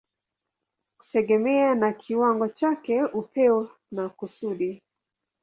kutegemea na kiwango chake, upeo na kusudi.